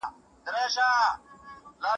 زبېښاک د فقر اصلي لامل دی.